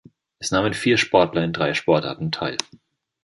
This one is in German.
Es nahmen vier Sportler in drei Sportarten teil.